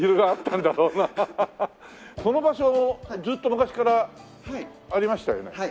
この場所ずっと昔からありましたよね？